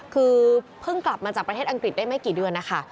คือเพิ่งกลับมาจากประเทศอังกฤษได้ไม่กี่เดือนนะคะ